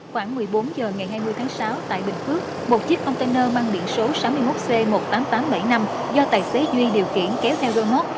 khoảng một mươi bốn h ngày hai mươi tháng sáu tại bình phước một chiếc container mang biển số sáu mươi một c một mươi tám nghìn tám trăm bảy mươi năm do tài xế duy điều khiển kéo theo đôi mốc